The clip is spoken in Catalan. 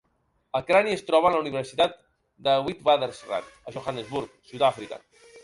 El crani es troba en la Universitat de Witwatersrand a Johannesburg, Sudàfrica.